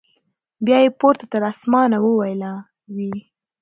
بیا یې پورته تر اسمانه واویلا وي